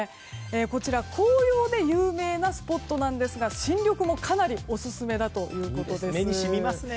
こちら、紅葉で有名なスポットなんですが新緑もかなりオススメだということです。